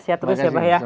sehat terus ya abah ya